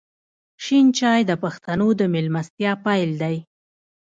شین چای د پښتنو د میلمستیا پیل دی.